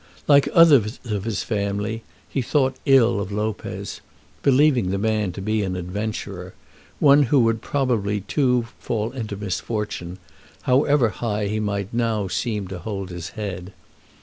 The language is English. Like others of his family, he thought ill of Lopez, believing the man to be an adventurer, one who would too probably fall into misfortune, however high he might now seem to hold his head.